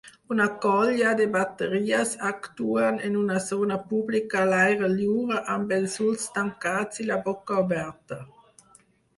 Una colla de bateries actuen en una zona pública a l'aire lliure amb els ulls tancats i la boca oberta.